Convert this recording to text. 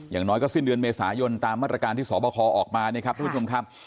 อย่างน้อยก็สิ้นเดือนเมษายนตามมาตรการที่สอบคอออกมานะครับทุกผู้ชมครับ